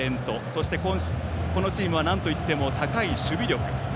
そして、このチームはなんといっても高い守備力。